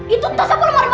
itu tas apa lu mau makan tuh